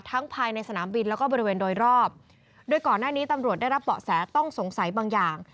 ภายในสนามบินแล้วก็บริเวณโดยรอบโดยก่อนหน้านี้ตำรวจได้รับเบาะแสต้องสงสัยบางอย่าง